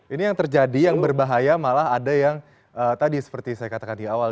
ini yang terjadi yang berbahaya malah ada yang tadi seperti saya katakan di awal